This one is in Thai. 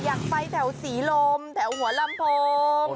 อยากไปแถวศรีลมแถวหัวลำโพง